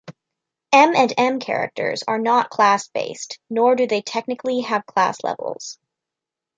"M and M" characters are not class-based nor do they technically have class levels.